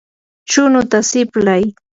chunuta siplay.